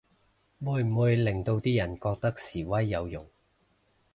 會唔會令到啲人覺得示威有用